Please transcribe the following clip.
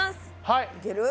はい。